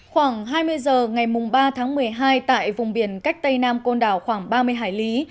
khoảng hai mươi giờ ngày ba tháng một mươi hai tại vùng biển cách tây nam côn đảo khoảng ba mươi hải lý